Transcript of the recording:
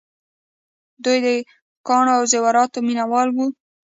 دوی د ګاڼو او زیوراتو مینه وال وو